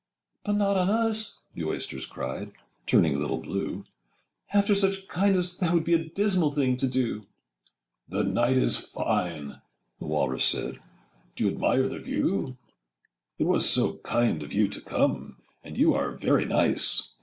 'But not on us!' the Oysters cried, Â Â Â Â Turning a little blue, 'After such kindness, that would be Â Â Â Â A dismal thing to do!' 'The night is fine,' the Walrus said Â Â Â Â 'Do you admire the view? 'It was so kind of you to come! Â Â Â Â And you are very nice!